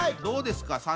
どうですか？